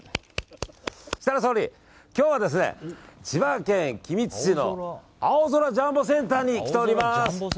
設楽総理、今日は千葉県君津市の青空ジャンボセンターに来ております。